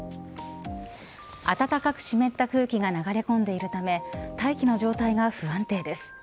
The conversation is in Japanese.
暖かく湿った空気が流れ込んでいるため大気の状態が不安定です。